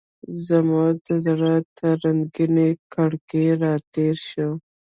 زما د زړه تر رنګینې کړکۍ راتیر شو